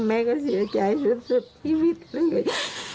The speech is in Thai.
แม่ก็เสียใจสุดชีวิตเลย